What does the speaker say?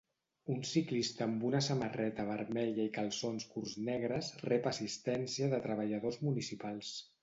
Un ciclista amb una samarreta vermella i calçons curts negres rep assistència de treballadors municipals.